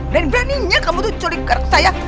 dan beraninya kamu tuh coli kereksa ya